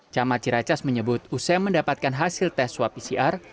camaciracas menyebut usai mendapatkan hasil tes swab pcr